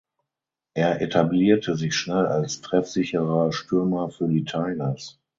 Er etablierte sich schnell als treffsicherer Stürmer für die Tigers.